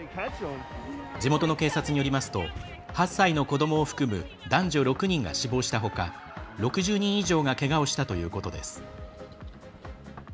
地元の警察によりますと８歳の子どもを含む男女６人が死亡したほか６０人以上がけがをしたということです。